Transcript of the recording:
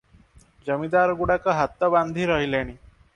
ଜମିଦାରଗୁଡ଼ାକ ହାତ ବାନ୍ଧି ରହିଲେଣି ।